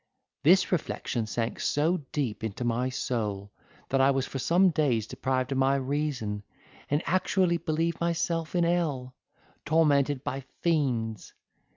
This reflection sank so deep into my soul, that I was for some days deprived of my reason, and actually believed myself in hell, tormented by fiends.